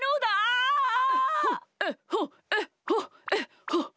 えっほえっほえっほえっほ。